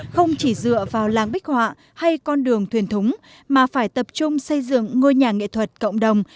không chỉ dựa vào làng bích họa hay con đường thuyền thúng mà phải tập trung xây dựng ngôi nhà nghệ thuật cộng đồng